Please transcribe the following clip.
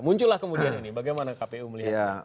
muncullah kemudian ini bagaimana kpu melihatnya